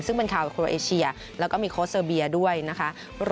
ซึ่งเป็นข่าวโครเอเชียแล้วก็มีโค้เซอร์เบียด้วยนะคะ